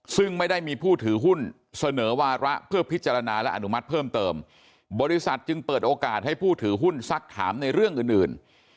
ซึ่งไม่ได้มีผู้ถือหุ้นเสนอวาระเพื่อพิจารณาและอนุมัติเพิ่มเติมบริษัทจึงเปิดโอกาสให้ผู้ถือหุ้นสักถามในเรื่องอื่นอื่น